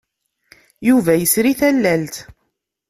Yuba yesri tallalt.